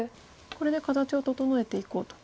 これで形を整えていこうと。